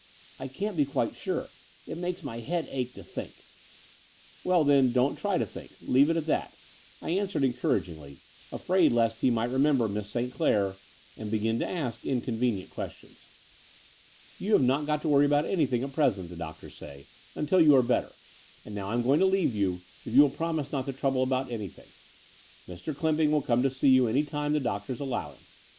"I can't be quite sure. It makes my head ache to think." "Well then, don't try to think; leave it at that," I answered encouragingly, afraid lest he might remember Miss St. Clair and begin to ask incon 174 Th® Door of the Unreal venient questions. "You have not got to worry about anything at present, the doctors say, untU you are better: and now I'm going to leave you, if you will promise not to trouble about anything. Mr. Clymping will come to see you any time the doctors allow him.